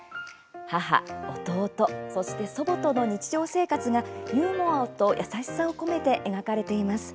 母、弟、そして祖母との日常生活がユーモアと優しさを込めて描かれています。